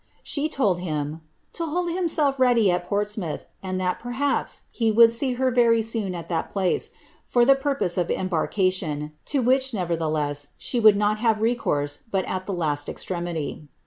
^* She told him ' to hold himself ready at Ports muuth, and that, perhaps, he would see her very soon at that place, for the purpose of embarkation ; to which, nevertheless, she would not have recourse but at the last extremity.'